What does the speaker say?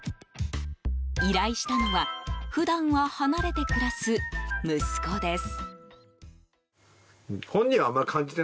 依頼したのは普段は離れて暮らす息子です。